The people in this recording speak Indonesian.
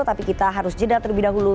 tapi kita harus jeda terlebih dahulu